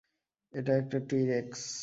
এটা একটা টি-রেক্স।